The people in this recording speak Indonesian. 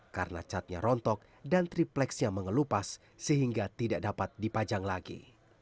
karena catnya rontok dan tripleksnya mengelupas sehingga tidak dapat dipajang lagi